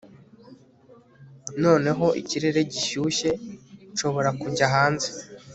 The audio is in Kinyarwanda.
noneho ikirere gishyushye, nshobora kujya hanze